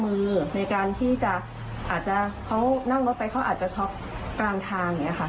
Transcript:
มือในการที่จะอาจจะเขานั่งรถไปเขาอาจจะช็อคกลางทาง